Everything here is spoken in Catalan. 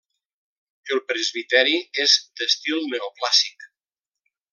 El presbiteri és d'estil neoclàssic.